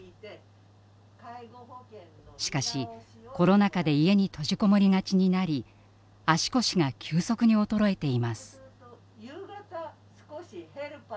しかしコロナ禍で家に閉じこもりがちになり足腰が急速に衰えています。